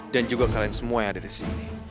dan juga kalian semua yang ada di sini